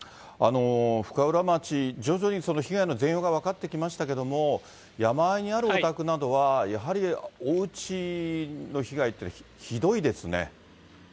深浦町、徐々に被害の全容が分かってきましたけれども、山あいにあるお宅などは、やはりおうちの被害っていうのはひどいですね。